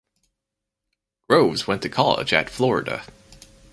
Groves went to college at Florida.